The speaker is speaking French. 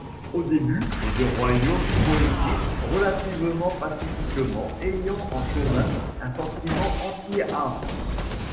Au début, les deux royaumes coexistent relativement pacifiquement, ayant en commun un sentiment anti-Han.